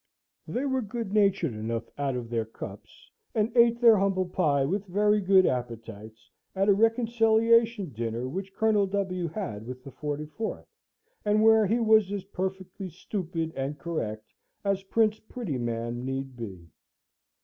They were good natured enough out of their cups, and ate their humble pie with very good appetites at a reconciliation dinner which Colonel W. had with the 44th, and where he was as perfectly stupid and correct as Prince Prettyman need be.